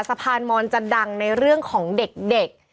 สะพานมอนจะดังในเรื่องของเด็ก